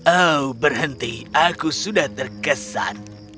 oh berhenti aku sudah terkesan